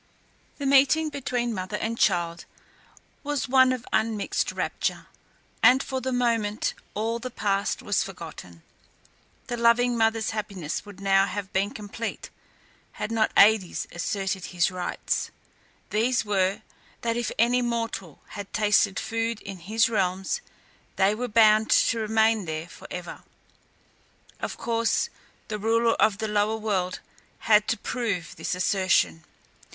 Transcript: The meeting between mother and child was one of unmixed rapture, and for the moment all the past was forgotten. The loving mother's happiness would now have been complete had not Aïdes asserted his rights. These were, that if any immortal had tasted food in his realms they were bound to remain there for ever. Of course the ruler of the lower world had to prove this assertion.